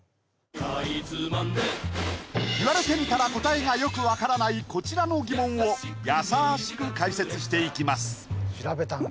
かいつまんで言われてみたら答えがよくわからないこちらの疑問をやさしく解説していきます